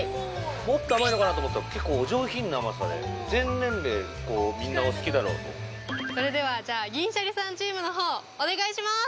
もっと甘いのかなと思ったら結構お上品な甘さで全年齢みんなお好きだろうとそれではじゃあ銀シャリさんチームのほうお願いします